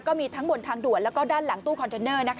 ก็มีทั้งบนทางด่วนแล้วก็ด้านหลังตู้คอนเทนเนอร์